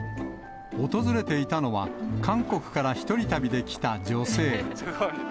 訪れていたのは、韓国から一人旅で来た女性。